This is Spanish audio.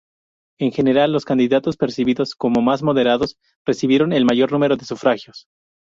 En general, los candidatos percibidos como más moderados recibieron el mayor número de sufragios.